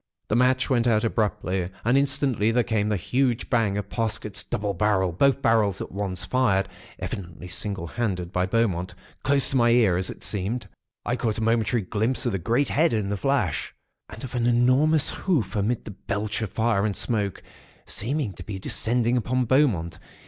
"The match went out, abruptly, and instantly there came the huge bang of Parsket's double barrel (both barrels at once), fired (evidently single handed by Beaumont) close to my ear, as it seemed. I caught a momentary glimpse of the great head, in the flash, and of an enormous hoof amid the belch of fire and smoke, seeming to be descending upon Beaumont.